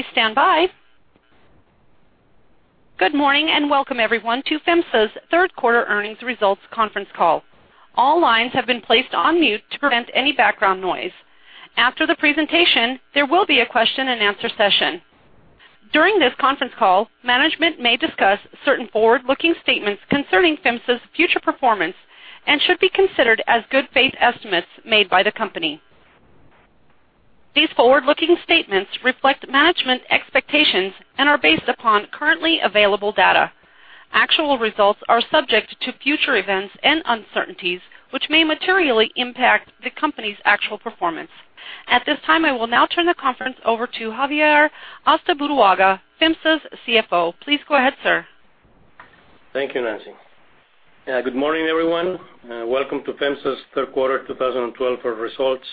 Please stand by. Good morning, and welcome everyone to FEMSA's third quarter earnings results conference call. All lines have been placed on mute to prevent any background noise. After the presentation, there will be a question and answer session. During this conference call, management may discuss certain forward-looking statements concerning FEMSA's future performance and should be considered as good faith estimates made by the company. These forward-looking statements reflect management expectations and are based upon currently available data. Actual results are subject to future events and uncertainties, which may materially impact the company's actual performance. At this time, I will now turn the conference over to Javier Astaburuaga, FEMSA's CFO. Please go ahead, sir. Thank you, Nancy. Good morning, everyone. Welcome to FEMSA's Third Quarter 2012 Results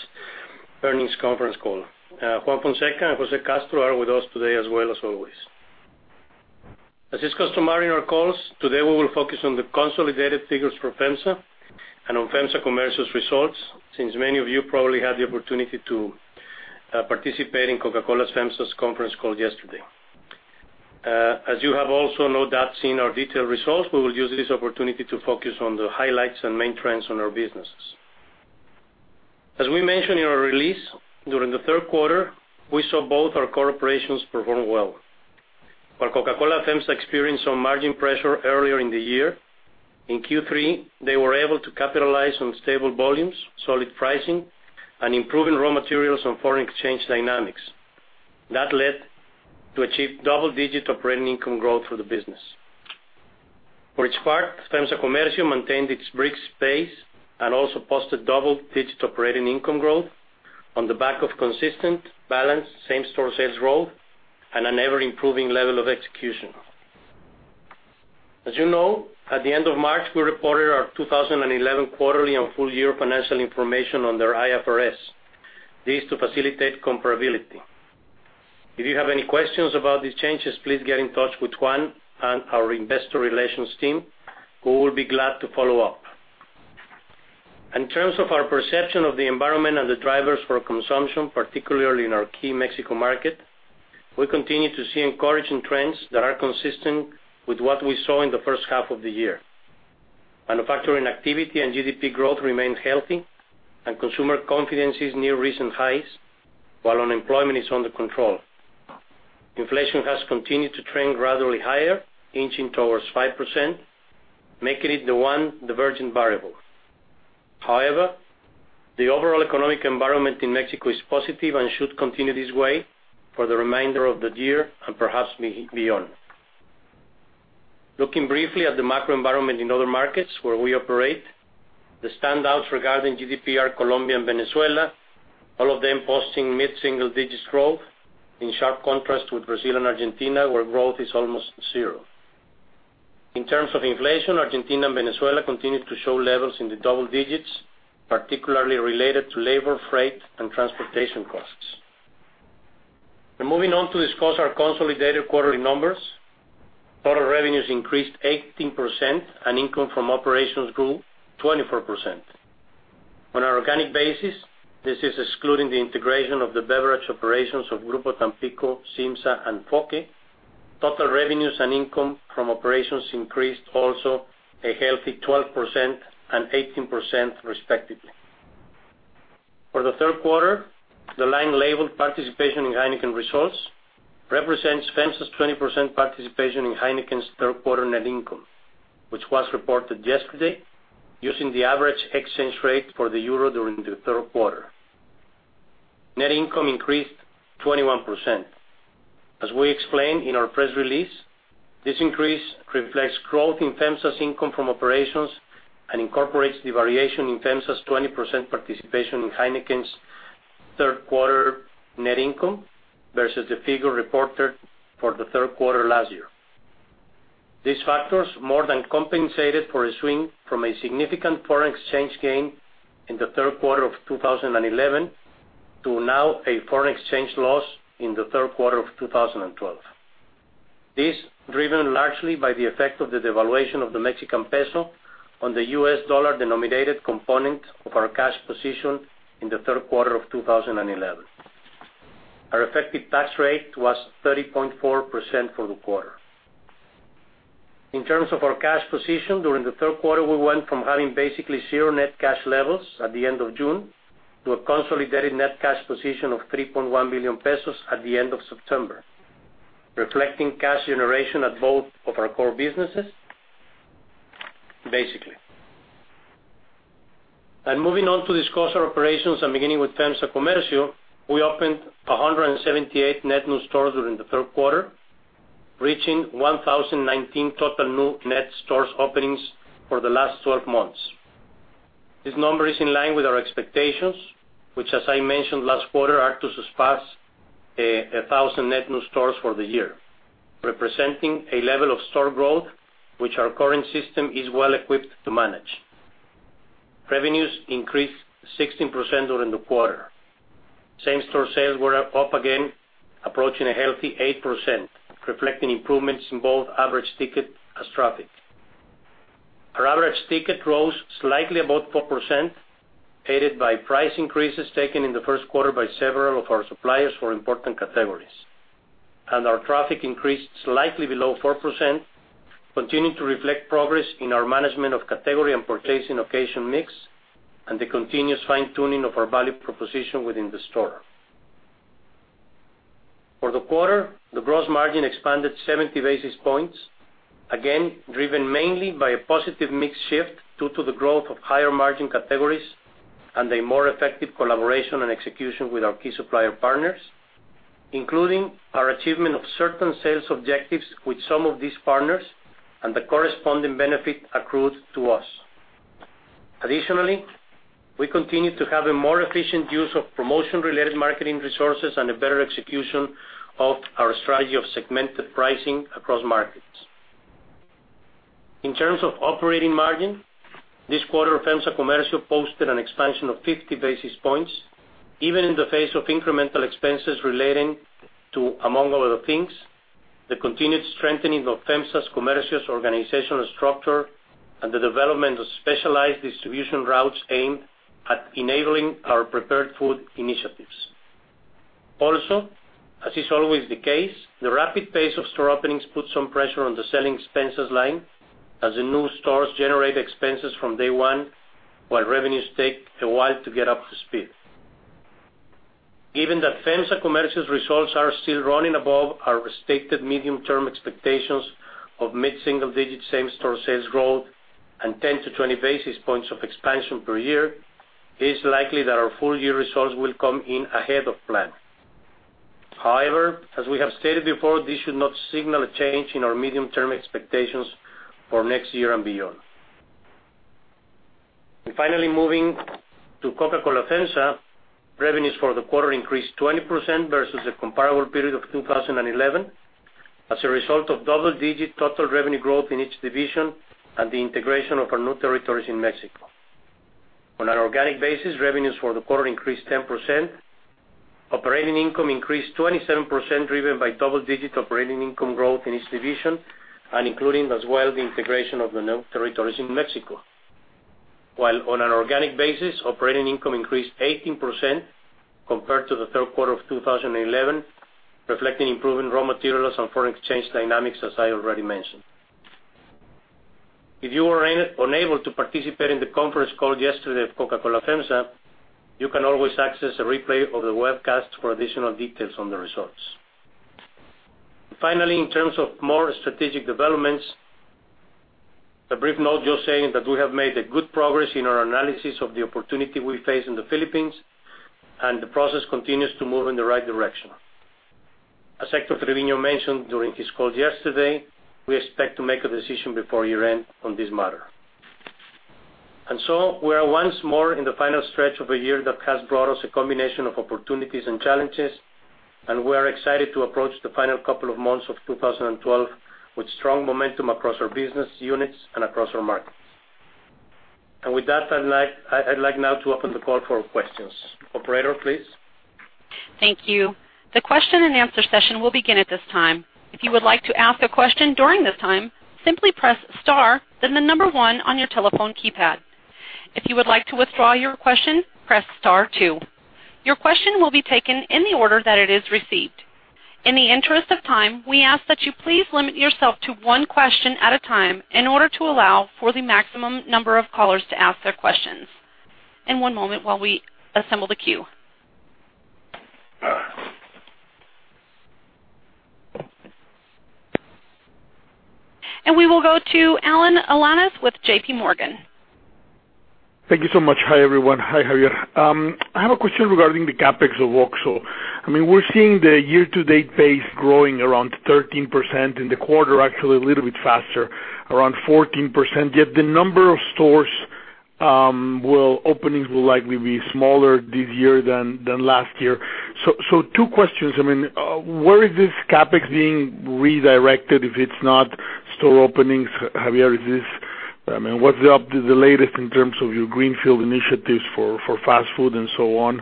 Earnings Conference Call. Juan Fonseca and José Castro are with us today as well as always. As is customary in our calls, today we will focus on the consolidated figures for FEMSA and on FEMSA Comercio's results, since many of you probably had the opportunity to participate in Coca-Cola FEMSA's conference call yesterday. As you have also no doubt seen our detailed results, we will use this opportunity to focus on the highlights and main trends on our businesses. As we mentioned in our release, during the third quarter, we saw both our core operations perform well. While Coca-Cola FEMSA experienced some margin pressure earlier in the year, in Q3, they were able to capitalize on stable volumes, solid pricing, and improving raw materials on foreign exchange dynamics. That led to achieve double-digit operating income growth for the business. For its part, FEMSA Comercio maintained its brisk pace and also posted double-digit operating income growth on the back of consistent, balanced, same-store sales growth and an ever-improving level of execution. As you know, at the end of March, we reported our 2011 quarterly and full year financial information under IFRS. This is to facilitate comparability. If you have any questions about these changes, please get in touch with Juan and our investor relations team, who will be glad to follow up. In terms of our perception of the environment and the drivers for consumption, particularly in our key Mexico market, we continue to see encouraging trends that are consistent with what we saw in the first half of the year. Manufacturing activity and GDP growth remained healthy, and consumer confidence is near recent highs, while unemployment is under control. Inflation has continued to trend gradually higher, inching towards 5%, making it the one divergent variable. However, the overall economic environment in Mexico is positive and should continue this way for the remainder of the year and perhaps beyond. Looking briefly at the macro environment in other markets where we operate, the standouts regarding GDP are Colombia and Venezuela, all of them posting mid-single digits growth, in sharp contrast with Brazil and Argentina, where growth is almost zero. In terms of inflation, Argentina and Venezuela continued to show levels in the double digits, particularly related to labor, freight, and transportation costs. Moving on to discuss our consolidated quarterly numbers. Total revenues increased 18%, and income from operations grew 24%. On an organic basis, this is excluding the integration of the beverage operations of Grupo Tampico, CIMSA, and FOQUE. Total revenues and income from operations increased also a healthy 12% and 18% respectively. For the third quarter, the line labeled participation in Heineken results represents FEMSA's 20% participation in Heineken's third quarter net income, which was reported yesterday, using the average exchange rate for the euro during the third quarter. Net income increased 21%. As we explained in our press release, this increase reflects growth in FEMSA's income from operations and incorporates the variation in FEMSA's 20% participation in Heineken's third quarter net income versus the figure reported for the third quarter last year. These factors more than compensated for a swing from a significant foreign exchange gain in the third quarter of 2011 to now a foreign exchange loss in the third quarter of 2012. This, driven largely by the effect of the devaluation of the Mexican peso on the U.S. dollar-denominated component of our cash position in the third quarter of 2011. Our effective tax rate was 30.4% for the quarter. In terms of our cash position during the third quarter, we went from having basically 0 net cash levels at the end of June to a consolidated net cash position of 3.1 billion pesos at the end of September, reflecting cash generation at both of our core businesses, basically. Moving on to discuss our operations and beginning with FEMSA Comercio, we opened 178 net new stores during the third quarter, reaching 1,019 total new net stores openings for the last 12 months. This number is in line with our expectations, which, as I mentioned last quarter, are to surpass 1,000 net new stores for the year, representing a level of store growth which our current system is well equipped to manage. Revenues increased 16% during the quarter. Same-store sales were up again, approaching a healthy 8%, reflecting improvements in both average ticket and traffic. Our average ticket rose slightly above 4%, aided by price increases taken in the first quarter by several of our suppliers for important categories. Our traffic increased slightly below 4%, continuing to reflect progress in our management of category and purchasing occasion mix, and the continuous fine-tuning of our value proposition within the store. For the quarter, the gross margin expanded 70 basis points, again, driven mainly by a positive mix shift due to the growth of higher-margin categories and a more effective collaboration and execution with our key supplier partners, including our achievement of certain sales objectives with some of these partners and the corresponding benefit accrued to us. Additionally, we continue to have a more efficient use of promotion-related marketing resources and a better execution of our strategy of segmented pricing across markets. In terms of operating margin, this quarter, FEMSA Comercio posted an expansion of 50 basis points, even in the face of incremental expenses relating to, among other things, the continued strengthening of FEMSA's Comercio's organizational structure and the development of specialized distribution routes aimed at enabling our prepared food initiatives. Also, as is always the case, the rapid pace of store openings put some pressure on the selling expenses line, as the new stores generate expenses from day one while revenues take a while to get up to speed. Given that FEMSA Comercio's results are still running above our stated medium-term expectations of mid-single-digit same-store sales growth and 10 to 20 basis points of expansion per year, it is likely that our full-year results will come in ahead of plan. However, as we have stated before, this should not signal a change in our medium-term expectations for next year and beyond. Finally, moving to Coca-Cola FEMSA, revenues for the quarter increased 20% versus the comparable period of 2011, as a result of double-digit total revenue growth in each division and the integration of our new territories in Mexico. On an organic basis, revenues for the quarter increased 10%. Operating income increased 27%, driven by double-digit operating income growth in each division and including, as well, the integration of the new territories in Mexico. While on an organic basis, operating income increased 18% compared to the third quarter of 2011, reflecting improving raw materials and foreign exchange dynamics, as I already mentioned. If you were unable to participate in the conference call yesterday of Coca-Cola FEMSA, you can always access a replay of the webcast for additional details on the results. Finally, in terms of more strategic developments, a brief note just saying that we have made a good progress in our analysis of the opportunity we face in the Philippines, and the process continues to move in the right direction. As Héctor Treviño mentioned during his call yesterday, we expect to make a decision before year-end on this matter. We are once more in the final stretch of a year that has brought us a combination of opportunities and challenges, and we are excited to approach the final couple of months of 2012 with strong momentum across our business units and across our markets. With that, I'd like now to open the call for questions. Operator, please. Thank you. The question and answer session will begin at this time. If you would like to ask a question during this time, simply press star, then the number one on your telephone keypad. If you would like to withdraw your question, press star two. Your question will be taken in the order that it is received. In the interest of time, we ask that you please limit yourself to one question at a time in order to allow for the maximum number of callers to ask their questions. One moment while we assemble the queue. We will go to Alan Alanis with JPMorgan. Thank you so much. Hi, everyone. Hi, Javier. I have a question regarding the CapEx of OXXO. We're seeing the year-to-date base growing around 13% in the quarter, actually, a little bit faster, around 14%. Yet the number of store openings will likely be smaller this year than last year. Two questions. Where is this CapEx being redirected if it's not store openings, Javier? What's the latest in terms of your greenfield initiatives for fast food and so on?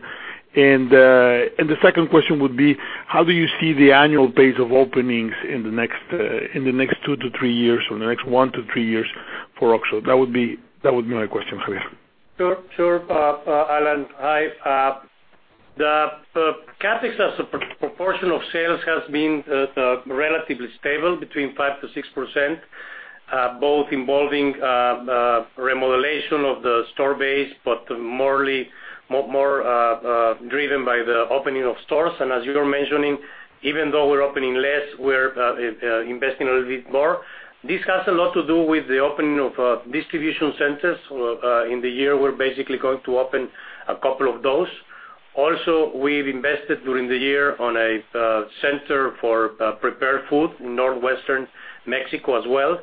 The second question would be, how do you see the annual pace of openings in the next two to three years or next one to three years for OXXO? That would be my question, Javier. Sure. Alan, hi. The CapEx as a proportion of sales has been relatively stable between 5%-6%, both involving remodeling of the store base, but more driven by the opening of stores. As you were mentioning, even though we're opening less, we're investing a little bit more. This has a lot to do with the opening of distribution centers. In the year, we're basically going to open a couple of those. Also, we've invested during the year on a center for prepared food in northwestern Mexico as well.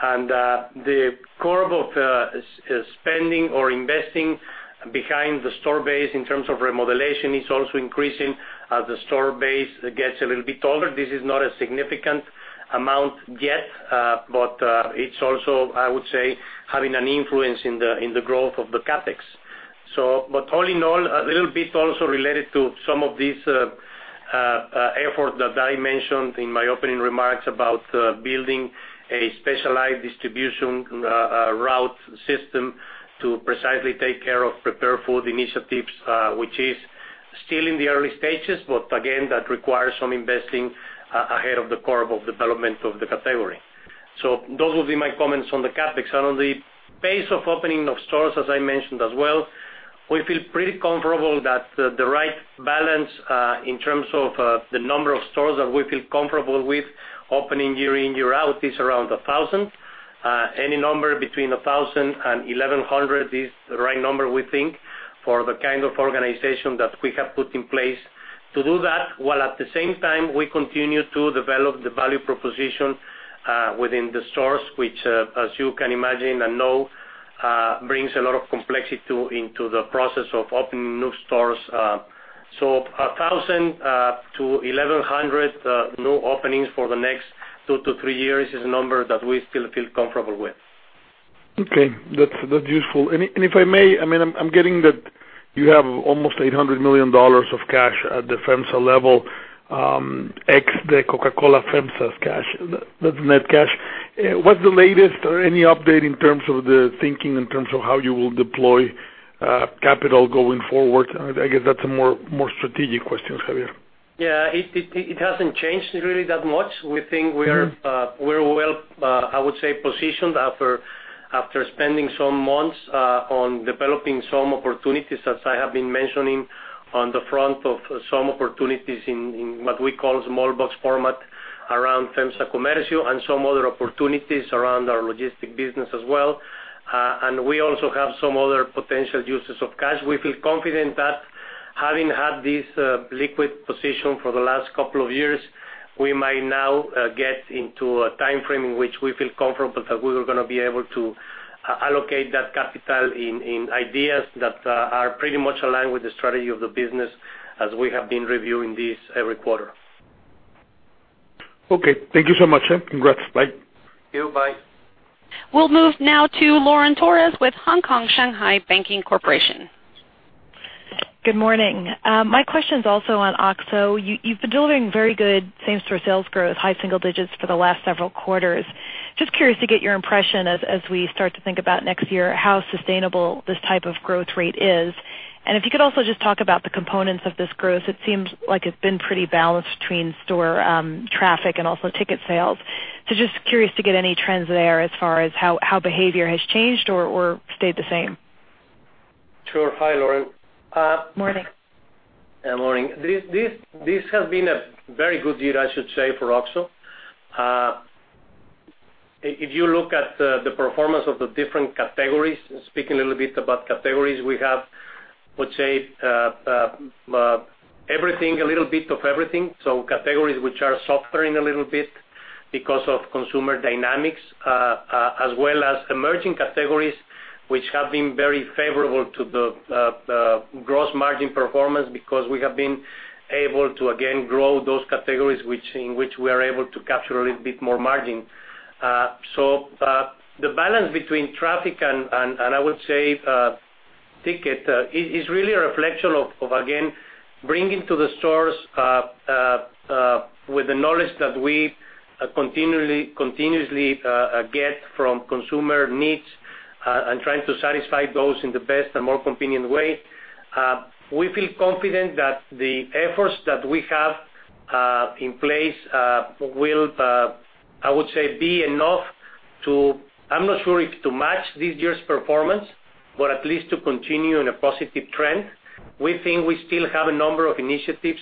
The core of spending or investing behind the store base in terms of remodeling is also increasing as the store base gets a little bit older. This is not a significant amount yet but it's also, I would say, having an influence in the growth of the CapEx. All in all, a little bit also related to some of these effort that I mentioned in my opening remarks about building a specialized distribution route system to precisely take care of prepared food initiatives, which is still in the early stages, but again, that requires some investing ahead of the curve of development of the category. Those will be my comments on the CapEx. On the pace of opening of stores, as I mentioned as well, we feel pretty comfortable that the right balance, in terms of the number of stores that we feel comfortable with opening year in, year out, is around 1,000. Any number between 1,000 and 1,100 is the right number, we think, for the kind of organization that we have put in place to do that, while at the same time, we continue to develop the value proposition within the stores, which, as you can imagine and know, brings a lot of complexity into the process of opening new stores. 1,000-1,100 new openings for the next two to three years is a number that we still feel comfortable with. Okay. That's useful. If I may, I'm getting that you have almost $800 million of cash at the FEMSA level, ex the Coca-Cola FEMSA's cash. That's net cash. What's the latest or any update in terms of the thinking in terms of how you will deploy capital going forward? I guess that's a more strategic question, Javier. Yeah. It hasn't changed really that much. We think we're well I would say positioned after spending some months on developing some opportunities, as I have been mentioning on the front of some opportunities in what we call small box format around FEMSA Comercio and some other opportunities around our logistic business as well. We also have some other potential uses of cash. We feel confident that having had this liquid position for the last couple of years, we might now get into a timeframe in which we feel comfortable that we are going to be able to allocate that capital in ideas that are pretty much aligned with the strategy of the business as we have been reviewing this every quarter. Okay. Thank you so much. Congrats. Bye. Thank you. Bye. We'll move now to Lauren Torres with Hong Kong Shanghai Banking Corporation. Good morning. My question's also on OXXO. You've been delivering very good same-store sales growth, high single digits for the last several quarters. Just curious to get your impression as we start to think about next year, how sustainable this type of growth rate is. If you could also just talk about the components of this growth, it seems like it's been pretty balanced between store traffic and also ticket sales. Just curious to get any trends there as far as how behavior has changed or stayed the same. Sure. Hi, Lauren. Morning. Morning. This has been a very good year, I should say, for OXXO. If you look at the performance of the different categories, speaking a little bit about categories we have, let's say everything, a little bit of everything. Categories which are softening a little bit because of consumer dynamics, as well as emerging categories, which have been very favorable to the gross margin performance because we have been able to again grow those categories in which we are able to capture a little bit more margin. The balance between traffic, and I would say, ticket, is really a reflection of, again, bringing to the stores with the knowledge that we continuously get from consumer needs, and trying to satisfy those in the best and more convenient way. We feel confident that the efforts that we have in place will, I would say, be enough to, I'm not sure if to match this year's performance, but at least to continue in a positive trend. We think we still have a number of initiatives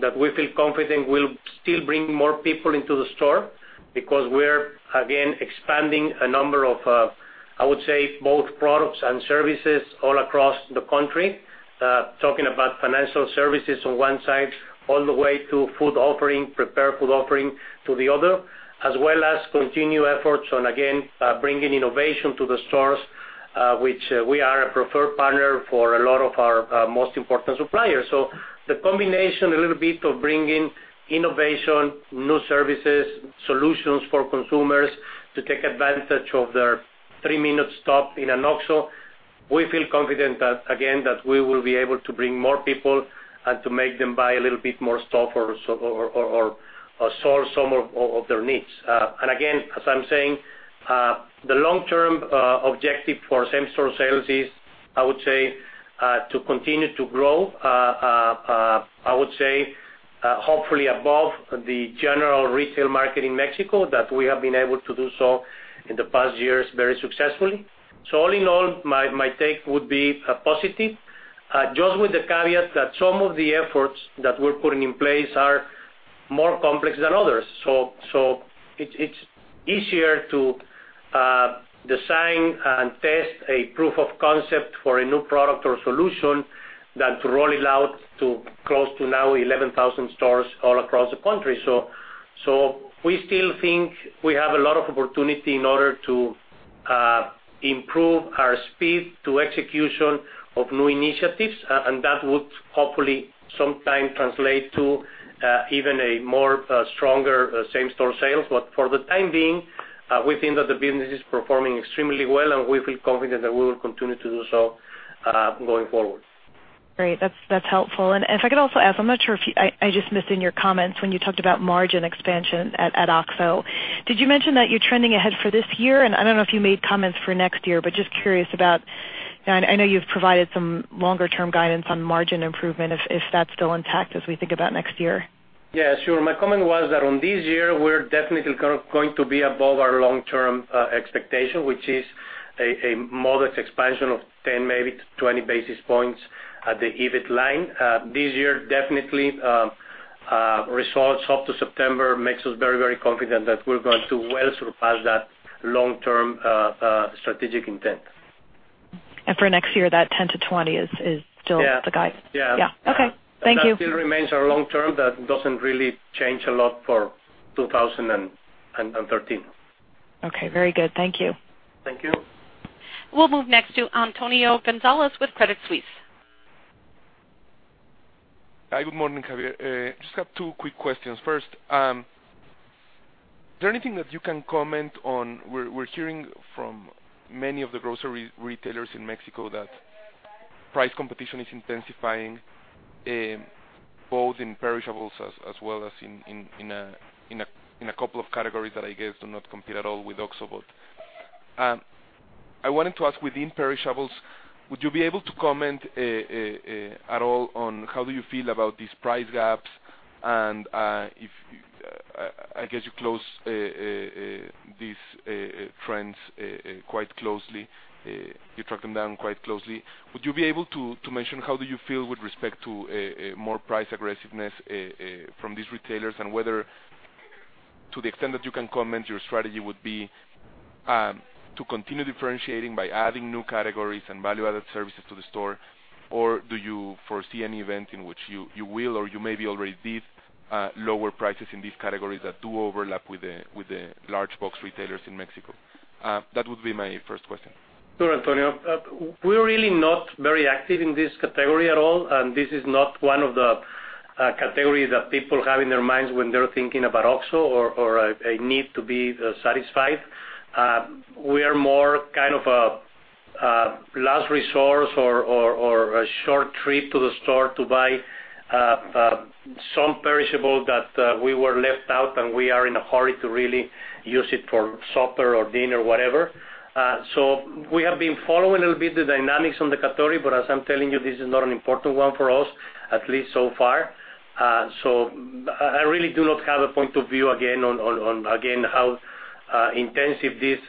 that we feel confident will still bring more people into the store because we're again expanding a number of, I would say, both products and services all across the country. Talking about financial services on one side, all the way to food offering, prepared food offering to the other, as well as continued efforts on, again, bringing innovation to the stores, which we are a preferred partner for a lot of our most important suppliers. The combination, a little bit of bringing innovation, new services, solutions for consumers to take advantage of their three-minute stop in an OXXO, we feel confident that, again, that we will be able to bring more people and to make them buy a little bit more stuff or solve some of their needs. Again, as I'm saying, the long-term objective for same-store sales is, I would say, to continue to grow. I would say, hopefully above the general retail market in Mexico, that we have been able to do so in the past years very successfully. All in all, my take would be positive. Just with the caveat that some of the efforts that we're putting in place are more complex than others. It's easier to design and test a proof of concept for a new product or solution than to roll it out to close to now 11,000 stores all across the country. We still think we have a lot of opportunity in order to improve our speed to execution of new initiatives. That would hopefully sometime translate to even a more stronger same-store sales. For the time being, we think that the business is performing extremely well, and we feel confident that we will continue to do so going forward. Great. That's helpful. If I could also ask, I'm not sure if I just missed in your comments when you talked about margin expansion at OXXO, did you mention that you're trending ahead for this year? I don't know if you made comments for next year, but just curious about, and I know you've provided some longer term guidance on margin improvement, if that's still intact as we think about next year? Yeah, sure. My comment was that on this year, we're definitely going to be above our long-term expectation, which is a modest expansion of 10, maybe to 20 basis points at the EBIT line. This year, definitely, results up to September makes us very confident that we're going to well surpass that long-term strategic intent. For next year, that 10-20 is still the guide? Yeah. Yeah. Okay. Thank you. That still remains our long-term. That doesn't really change a lot for 2013. Okay, very good. Thank you. Thank you. We'll move next to Antonio Gonzalez with Credit Suisse. Hi, good morning, Javier. Just have two quick questions. First, is there anything that you can comment on? We're hearing from many of the grocery retailers in Mexico that price competition is intensifying, both in perishables as well as in a couple of categories that I guess do not compete at all with OXXO, but I wanted to ask, within perishables, would you be able to comment at all on how you feel about these price gaps? I guess you follow these trends quite closely, you track them down quite closely. Would you be able to mention how you feel with respect to more price aggressiveness from these retailers and whether, to the extent that you can comment, your strategy would be to continue differentiating by adding new categories and value-added services to the store? Do you foresee any event in which you will or you maybe already did, lower prices in these categories that do overlap with the large box retailers in Mexico? That would be my first question. Sure, Antonio. We're really not very active in this category at all, and this is not one of the categories that people have in their minds when they're thinking about OXXO or a need to be satisfied. We are more kind of a last resort or a short trip to the store to buy some perishable that we were left out, and we are in a hurry to really use it for supper or dinner, whatever. We have been following a little bit the dynamics on the category, but as I'm telling you, this is not an important one for us, at least so far. I really do not have a point of view again on how intensive this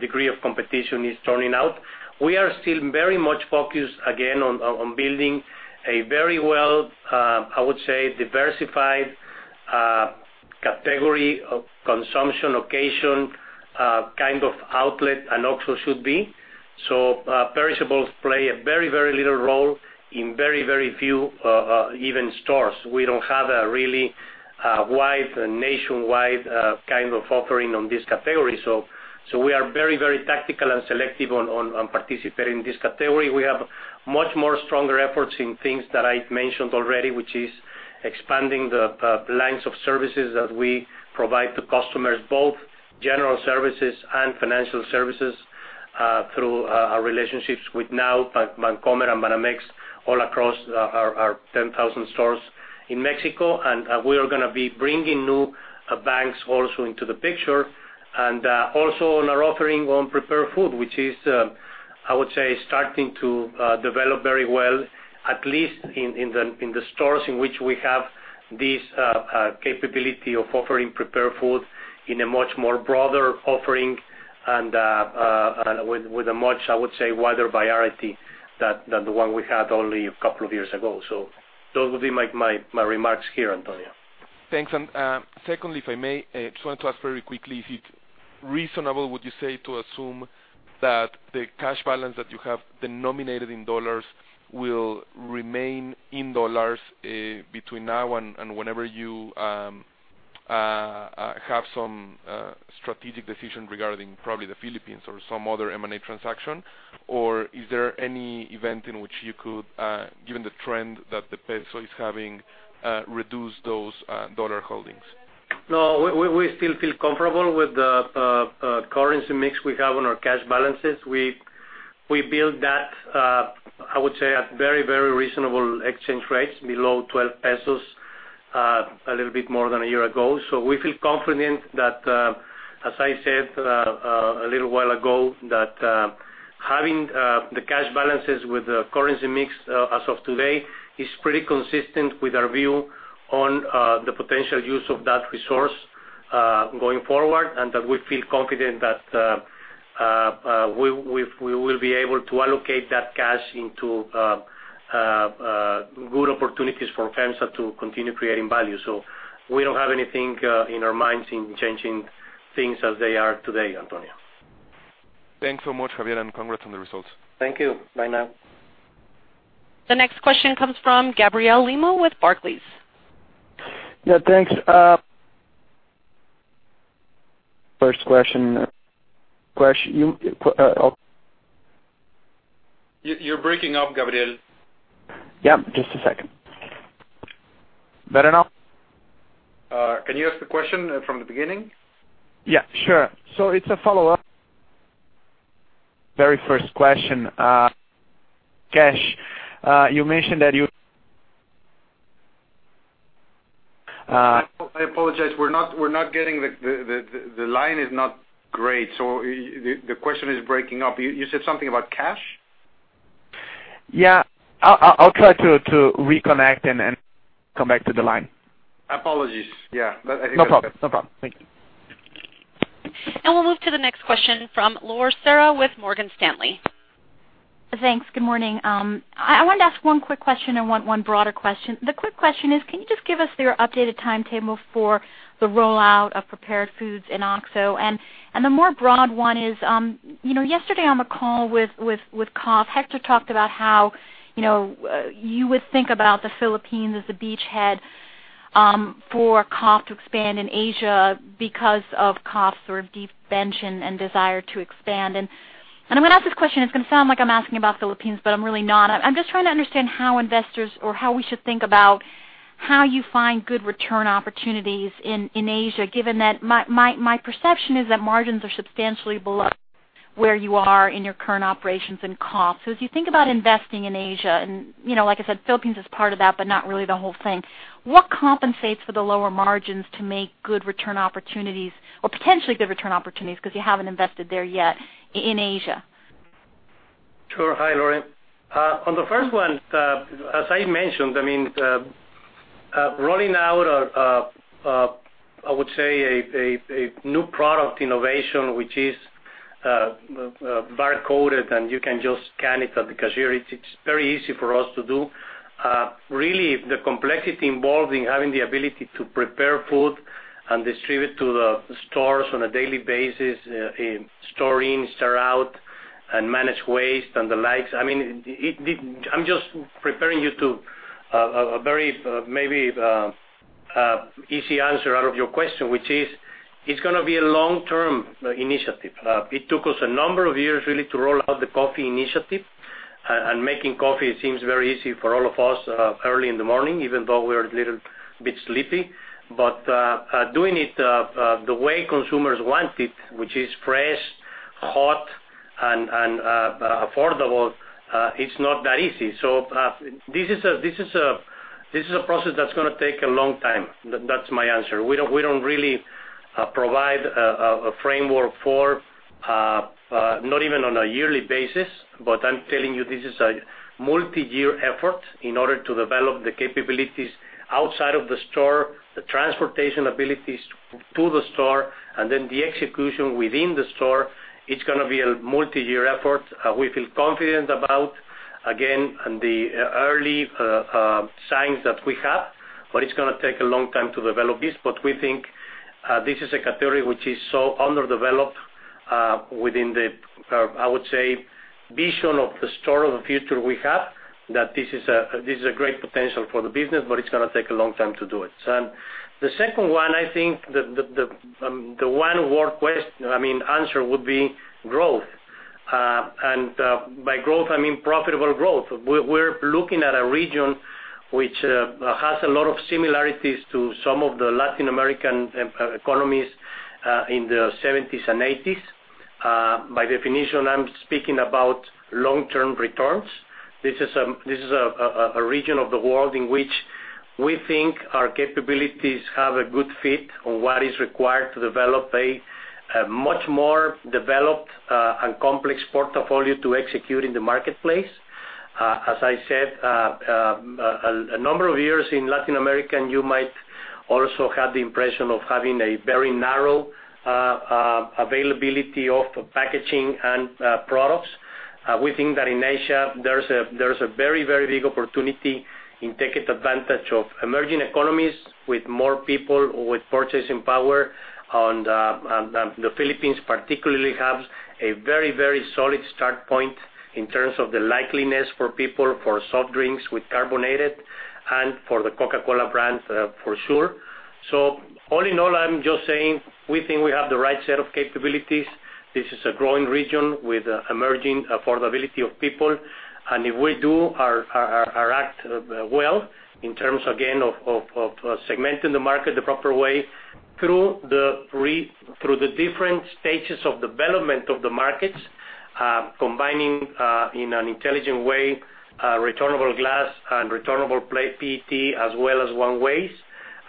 degree of competition is turning out. We are still very much focused, again, on building a very well, I would say, diversified category of consumption occasion, kind of outlet an OXXO should be. Perishables play a very little role in very few even stores. We don't have a really wide and nationwide kind of offering on this category. We are very tactical and selective on participating in this category. We have much more stronger efforts in things that I mentioned already, which is expanding the lines of services that we provide to customers, both general services and financial services, through our relationships with now Bancomer and Banamex all across our 10,000 stores in Mexico. We are going to be bringing new banks also into the picture. Also on our offering on prepared food, which is, I would say, starting to develop very well, at least in the stores in which we have this capability of offering prepared food in a much more broader offering and with a much, I would say, wider variety than the one we had only a couple of years ago. Those would be my remarks here, Antonio. Thanks. Secondly, if I may, just want to ask very quickly, is it reasonable, would you say, to assume that the cash balance that you have denominated in dollars will remain in dollars between now and whenever you have some strategic decision regarding probably the Philippines or some other M&A transaction? Is there any event in which you could, given the trend that the peso is having, reduce those dollar holdings? No, we still feel comfortable with the currency mix we have on our cash balances. We build that, I would say at very reasonable exchange rates below 12 pesos, a little bit more than a year ago. We feel confident that, as I said a little while ago, that having the cash balances with the currency mix as of today is pretty consistent with our view on the potential use of that resource going forward, and that we feel confident that we will be able to allocate that cash into good opportunities for FEMSA to continue creating value. We don't have anything in our minds in changing things as they are today, Antonio. Thanks so much, Javier, and congrats on the results. Thank you. Bye now. The next question comes from Gabriel Lima with Barclays. Yeah, thanks. First question. You're breaking up, Gabriel. Yeah, just a second. Better now? Can you ask the question from the beginning? Yeah, sure. It's a follow-up. Very first question. Cash. You mentioned that you I apologize. The line is not great, so the question is breaking up. You said something about cash? Yeah. I'll try to reconnect and come back to the line. Apologies. Yeah. I think that's better. No problem. Thank you. We'll move to the next question from Lore Serra with Morgan Stanley. Thanks. Good morning. I wanted to ask one quick question and one broader question. The quick question is, can you just give us your updated timetable for the rollout of prepared foods in OXXO? The more broad one is, yesterday on the call with KOF, Héctor talked about how you would think about the Philippines as a beachhead for KOF to expand in Asia because of KOF's deep bench and desire to expand. I'm going to ask this question, it's going to sound like I'm asking about Philippines, but I'm really not. I'm just trying to understand how investors or how we should think about how you find good return opportunities in Asia, given that my perception is that margins are substantially below where you are in your current operations in KOF. As you think about investing in Asia, and like I said, Philippines is part of that, but not really the whole thing. What compensates for the lower margins to make good return opportunities or potentially good return opportunities because you haven't invested there yet in Asia? Sure. Hi, Lore. On the first one, as I mentioned, rolling out, I would say, a new product innovation, which is bar-coded and you can just scan it at the cashier. It's very easy for us to do. Really, the complexity involved in having the ability to prepare food and distribute to the stores on a daily basis, store in, store out, and manage waste and the likes. I'm just preparing you for a very, maybe, easy answer to your question, which is, it's going to be a long-term initiative. It took us a number of years really to roll out the coffee initiative. Making coffee seems very easy for all of us early in the morning, even though we're a little bit sleepy. Doing it the way consumers want it, which is fresh, hot, and affordable, it's not that easy. This is a process that's going to take a long time. That's my answer. We don't really provide a framework for, not even on a yearly basis, but I'm telling you this is a multi-year effort in order to develop the capabilities outside of the store, the transportation abilities to the store, and then the execution within the store. It's going to be a multi-year effort. We feel confident about, again, the early signs that we have, but it's going to take a long time to develop this. We think this is a category which is so underdeveloped within the, I would say, vision of the store of the future we have. That this is a great potential for the business, but it's going to take a long time to do it. The second one, I think the one word answer would be growth. By growth, I mean profitable growth. We're looking at a region which has a lot of similarities to some of the Latin American economies in the '70s and '80s. By definition, I'm speaking about long-term returns. This is a region of the world in which we think our capabilities have a good fit on what is required to develop a much more developed and complex portfolio to execute in the marketplace. As I said, a number of years in Latin America, and you might also have the impression of having a very narrow availability of packaging and products. We think that in Asia, there's a very big opportunity in taking advantage of emerging economies with more people with purchasing power. The Philippines particularly has a very solid start point in terms of the likeliness for people for carbonated soft drinks and for the Coca-Cola brand, for sure. All in all, I'm just saying we think we have the right set of capabilities. This is a growing region with emerging affordability of people. If we do our act well in terms, again, of segmenting the market the proper way through the different stages of development of the markets, combining, in an intelligent way, returnable glass and returnable PET as well as one ways,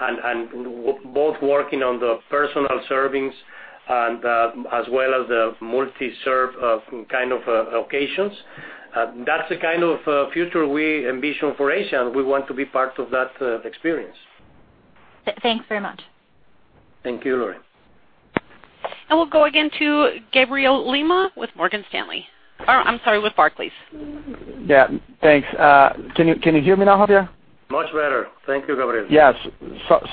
and both working on the personal servings and as well as the multi-serve kind of occasions. That's the kind of future we envision for Asia, and we want to be part of that experience. Thanks very much. Thank you, Lore. We'll go again to Gabriel Lima with Morgan Stanley. Or, I'm sorry, with Barclays. Yeah. Thanks. Can you hear me now, Javier? Much better. Thank you, Gabriel. Yes.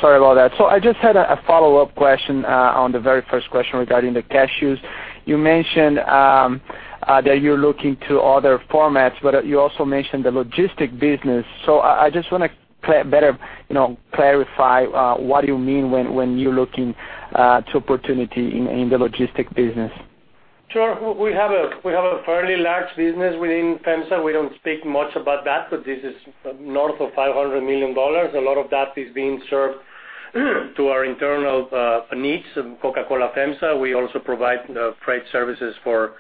Sorry about that. I just had a follow-up question on the very first question regarding the cash use. You mentioned that you're looking to other formats, but you also mentioned the logistic business. I just want to better clarify what do you mean when you're looking to opportunity in the logistic business? Sure. We have a fairly large business within FEMSA. We don't speak much about that, but this is north of $500 million. A lot of that is being served to our internal needs, Coca-Cola FEMSA. We also provide freight services for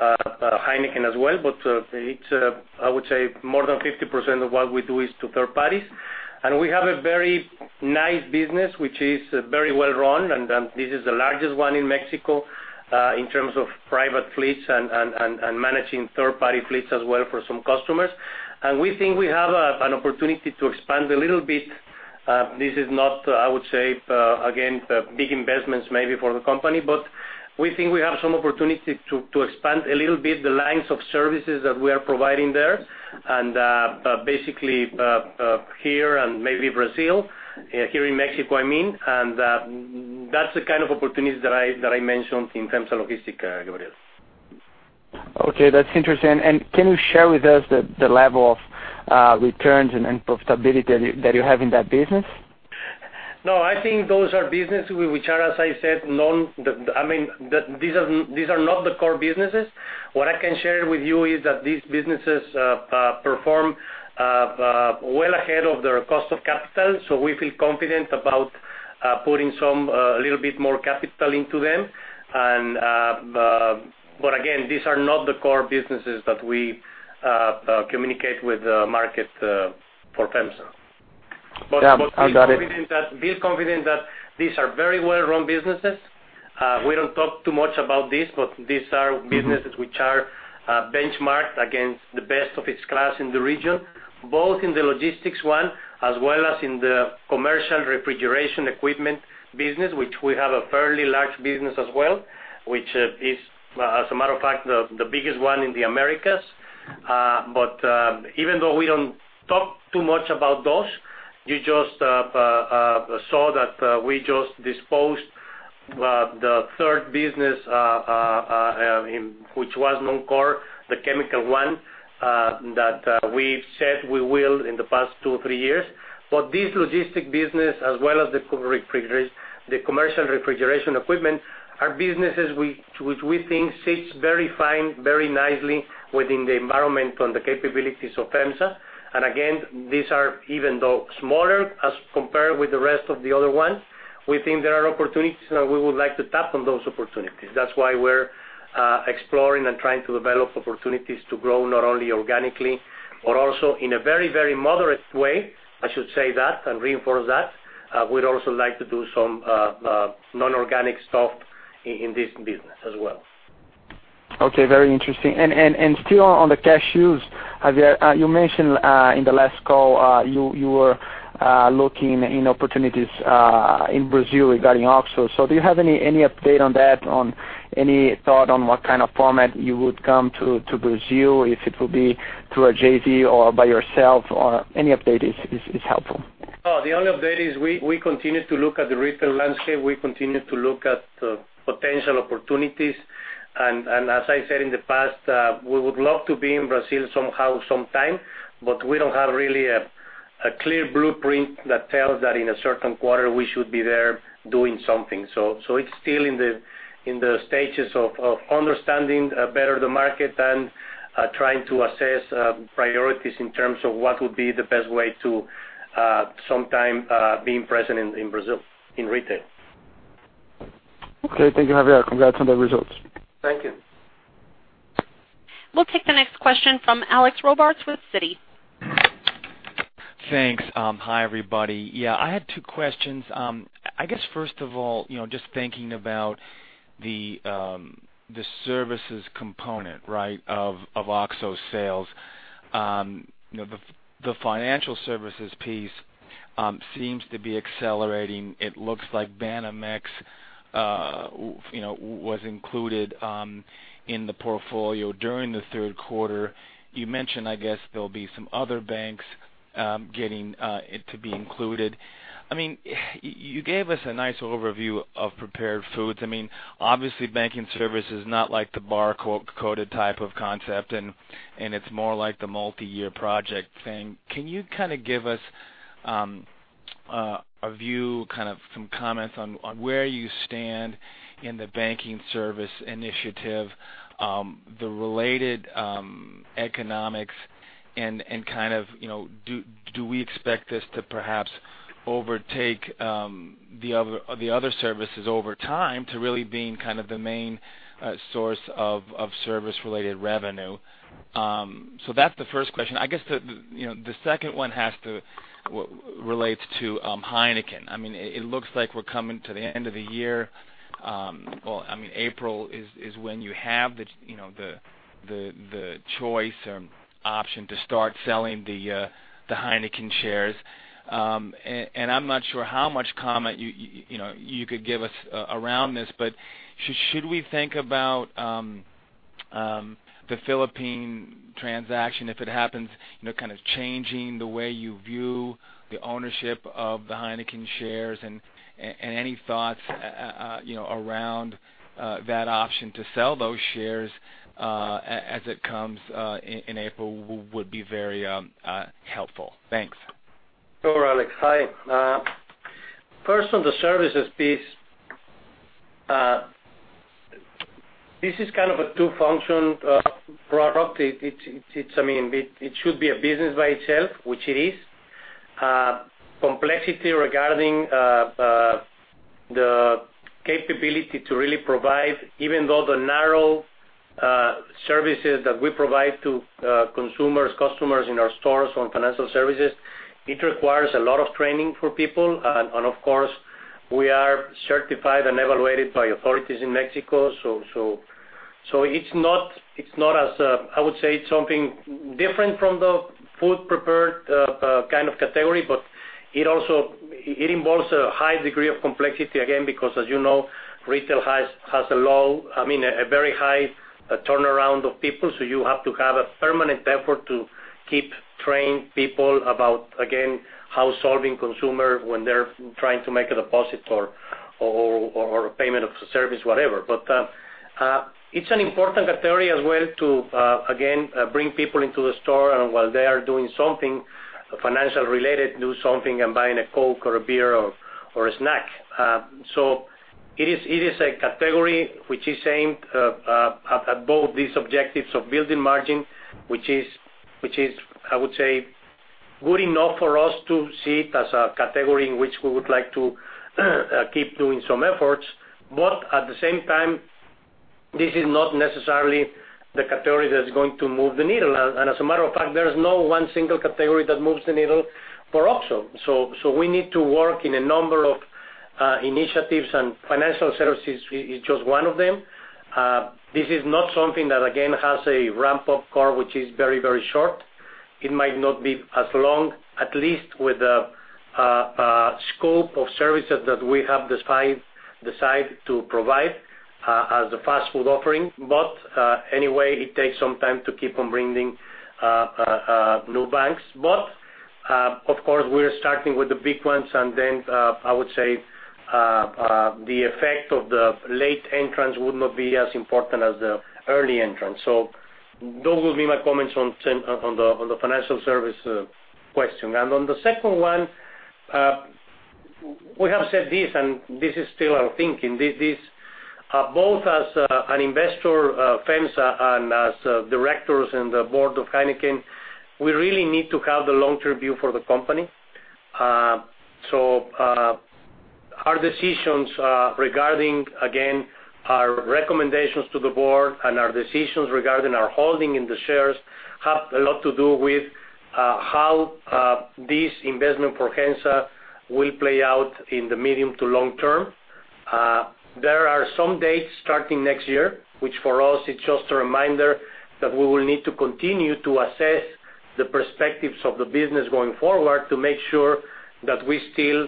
Heineken as well, but it's, I would say, more than 50% of what we do is to third parties. We have a very nice business, which is very well run, and this is the largest one in Mexico, in terms of private fleets and managing third-party fleets as well for some customers. We think we have an opportunity to expand a little bit. This is not, I would say, again, big investments maybe for the company, but we think we have some opportunity to expand a little bit the lines of services that we are providing there. Basically, here and maybe Brazil. Here in Mexico, I mean, and that's the kind of opportunities that I mentioned in terms of logistics, Gabriel. Okay. That's interesting. Can you share with us the level of returns and profitability that you have in that business? No, I think those are business which are, as I said, these are not the core businesses. What I can share with you is that these businesses perform well ahead of their cost of capital, so we feel confident about putting a little bit more capital into them. Again, these are not the core businesses that we communicate with the market for FEMSA. Yeah. I got it. Be confident that these are very well-run businesses. We don't talk too much about this, but these are businesses which are benchmarked against the best of its class in the region, both in the logistics one as well as in the commercial refrigeration equipment business, which we have a fairly large business as well, which is, as a matter of fact, the biggest one in the Americas. Even though we don't talk too much about those, you just saw that we just disposed of the third business, which was non-core, the chemical one, that we've said we will in the past two, three years. This logistic business, as well as the commercial refrigeration equipment, are businesses which we think sits very fine, very nicely within the environment on the capabilities of FEMSA. Again, these are even though smaller as compared with the rest of the other ones, we think there are opportunities, and we would like to tap on those opportunities. That's why we're exploring and trying to develop opportunities to grow, not only organically but also in a very moderate way. I should say that and reinforce that. We'd also like to do some non-organic stuff in this business as well. Okay. Very interesting. Still on the cash use, Javier, you mentioned, in the last call, you were looking into opportunities, in Brazil regarding OXXO. Do you have any update on that, on any thought on what kind of format you would come to Brazil, if it will be through a JV or by yourself or any update is helpful. Oh, the only update is we continue to look at the retail landscape. We continue to look at potential opportunities. as I said in the past, we would love to be in Brazil somehow, sometime, but we don't have really a clear blueprint that tells that in a certain quarter we should be there doing something. it's still in the stages of understanding better the market and trying to assess priorities in terms of what would be the best way to, sometime, being present in Brazil in retail. Okay. Thank you, Javier. Congrats on the results. Thank you. We'll take the next question from Alex Robarts with Citi. Thanks. Hi, everybody. Yeah, I had two questions. I guess, first of all, just thinking about the services component of OXXO sales. The financial services piece seems to be accelerating. It looks like Banamex was included in the portfolio during the third quarter. You mentioned, I guess there'll be some other banks getting it to be included. You gave us a nice overview of prepared foods. Obviously, banking services is not like the bar code type of concept, and it's more like the multi-year project thing. Can you kind of give us a view, kind of some comments on where you stand in the banking service initiative, the related economics, and do we expect this to perhaps overtake the other services over time to really being kind of the main source of service-related revenue? So that's the first question. I guess the second one relates to Heineken. It looks like we're coming to the end of the year. Well, April is when you have the choice or option to start selling the Heineken shares. I'm not sure how much comment you could give us around this, but should we think about the Philippine transaction, if it happens, kind of changing the way you view the ownership of the Heineken shares and any thoughts around that option to sell those shares as it comes in April would be very helpful. Thanks. Sure, Alex. Hi, first, on the services piece, this is kind of a two-function product. It should be a business by itself, which it is. Complexity regarding the capability to really provide, even though the narrow services that we provide to consumers, customers in our stores on financial services, it requires a lot of training for people. And of course, we are certified and evaluated by authorities in Mexico. It's not, I would say, something different from the food prepared kind of category, but it involves a high degree of complexity, again, because as you know, retail has a very high turnaround of people, so you have to have a permanent effort to keep training people about, again, how to serve the consumer when they're trying to make a deposit or a payment for a service, whatever. It's an important category as well to, again, bring people into the store and while they are doing something financial related, do something and buying a Coke or a beer or a snack. It is a category which is aimed at both these objectives of building margin, which is, I would say, good enough for us to see it as a category in which we would like to keep doing some efforts. At the same time, this is not necessarily the category that's going to move the needle. As a matter of fact, there is no one single category that moves the needle for OXXO. We need to work in a number of initiatives, and financial services is just one of them. This is not something that, again, has a ramp-up curve, which is very short. It might not be as long, at least with the scope of services that we have decided to provide as a fast food offering. Anyway, it takes some time to keep on bringing new banks. Of course, we're starting with the big ones, and then I would say the effect of the late entrants would not be as important as the early entrants. Those will be my comments on the financial service question. On the second one, we have said this, and this is still our thinking. Both as an investor of FEMSA and as directors in the board of Heineken, we really need to have the long-term view for the company. Our decisions regarding, again, our recommendations to the board and our decisions regarding our holding in the shares have a lot to do with how this investment for FEMSA will play out in the medium to long term. There are some dates starting next year, which for us, it's just a reminder that we will need to continue to assess the perspectives of the business going forward to make sure that we still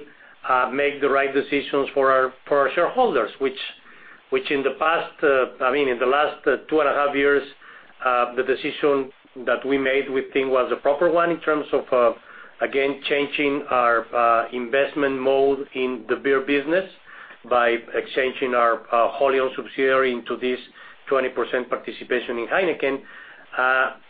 make the right decisions for our shareholders, which in the last two and half years, the decision that we made, we think was a proper one in terms of, again, changing our investment mode in the beer business by exchanging our Holein subsidiary into this 20% participation in Heineken.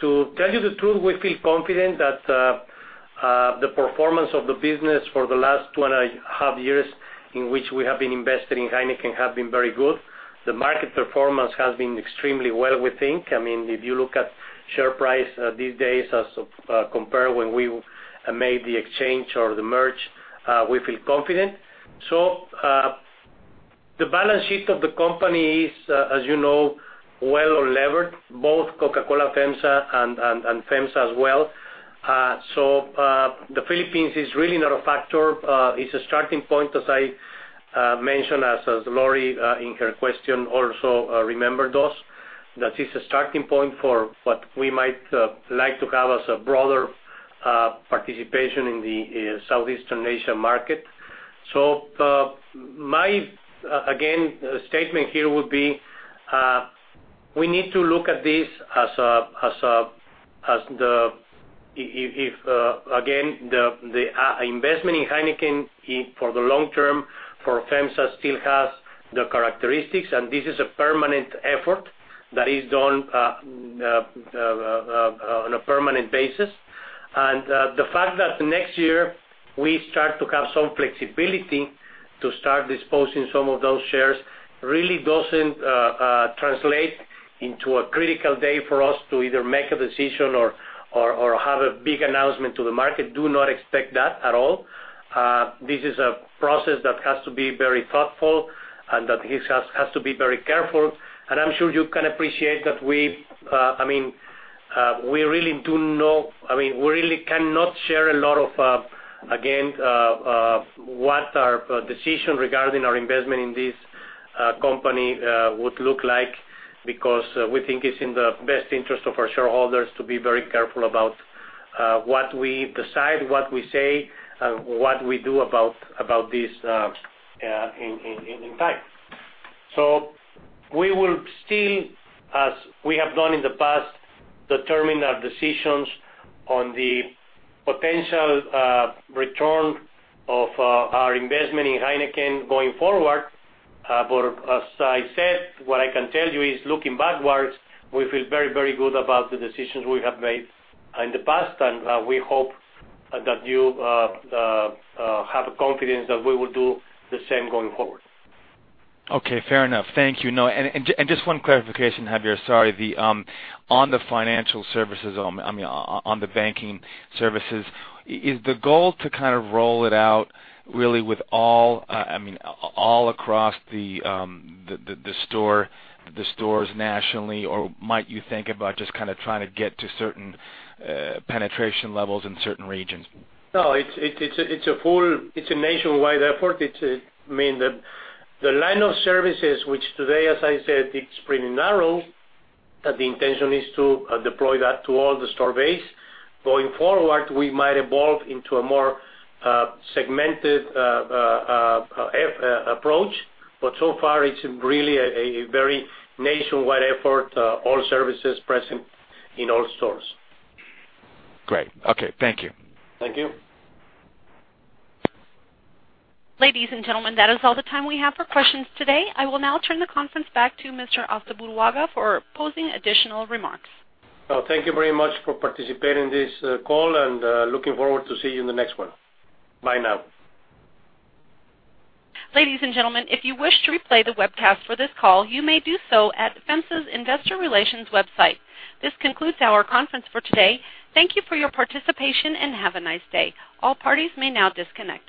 To tell you the truth, we feel confident that the performance of the business for the last two and half years in which we have been invested in Heineken have been very good. The market performance has been extremely well, we think. If you look at share price these days as compared when we made the exchange or the merge, we feel confident. The balance sheet of the company is, as you know, well levered, both Coca-Cola FEMSA and FEMSA as well. The Philippines is really not a factor. It's a starting point, as I mentioned, as Lore, in her question, also reminded us, that it's a starting point for what we might like to have as a broader participation in the Southeast Asia market. My, again, statement here would be, we need to look at this as the. If, again, the investment in Heineken for the long term for FEMSA still has the characteristics, and this is a permanent effort that is done on a permanent basis. The fact that next year we start to have some flexibility to start disposing some of those shares really doesn't translate into a critical day for us to either make a decision or have a big announcement to the market. Do not expect that at all. This is a process that has to be very thoughtful and that has to be very careful. I'm sure you can appreciate that we really do know. We really cannot share a lot of, again, what our decision regarding our investment in this company would look like, because we think it's in the best interest of our shareholders to be very careful about what we decide, what we say, and what we do about this in time. We will still, as we have done in the past, determine our decisions on the potential return of our investment in Heineken going forward. As I said, what I can tell you is, looking backwards, we feel very, very good about the decisions we have made in the past, and we hope that you have confidence that we will do the same going forward. Okay. Fair enough. Thank you. No, and just one clarification, Javier, sorry. On the financial services, on the banking services, is the goal to kind of roll it out really with all across the stores nationally, or might you think about just kind of trying to get to certain penetration levels in certain regions? No, it's a nationwide effort. The line of services, which today, as I said, it's pretty narrow, that the intention is to deploy that to all the store base. Going forward, we might evolve into a more segmented approach. So far, it's really a very nationwide effort, all services present in all stores. Great. Okay. Thank you. Thank you. Ladies and gentlemen, that is all the time we have for questions today. I will now turn the conference back to Mr. Astaburuaga for closing additional remarks. Well, thank you very much for participating in this call, and looking forward to see you in the next one. Bye now. Ladies and gentlemen, if you wish to replay the webcast for this call, you may do so at FEMSA's investor relations website. This concludes our conference for today. Thank you for your participation, and have a nice day. All parties may now disconnect.